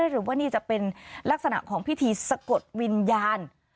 หรือว่านี่จะเป็นลักษณะของพิธีสะกดวิญญาณ